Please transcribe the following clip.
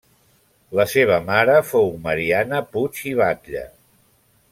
La seva mare fou Mariana Puig i Batlle.